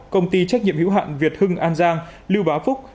công ty trách nhiệm hữu hạn việt hưng an giang lưu bá phúc